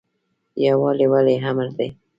یووالی ولې امر دی؟